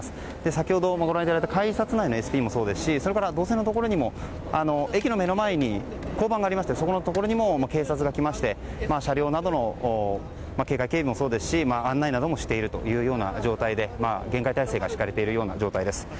先ほどもご覧いただいた改札内のＳＰもそうですし動線のところにも駅の目の前に交番がありましてそこのところに警官が来まして車両などの警戒警備もそうですし案内などもしている状態で厳戒態勢が敷かれている状態です。